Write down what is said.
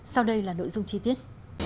sau đây là nội dung chi tiết